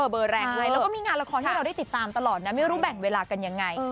เบอร์แรงให้แล้วก็มีงานละครให้เราได้ติดตามตลอดนะไม่รู้แบ่งเวลากันยังไง